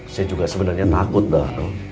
saya juga sebenarnya takut dong